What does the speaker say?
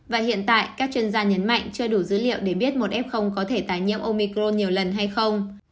và hiện tại các chuyên gia nhấn mạnh chưa đủ dữ liệu để biết một f có thể tái nhiễm omicro nhiều lần hay không